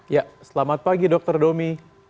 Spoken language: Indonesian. ya selamat pagi dr domi